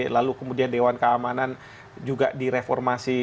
lalu kemudian dewan keamanan juga direformasi